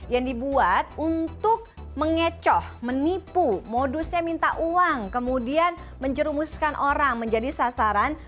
yang dibuat untuk mengecoh menipu modusnya minta uang kemudian menjerumuskan orang menjadi sasaran